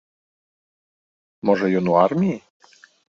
Можа ён у арміі?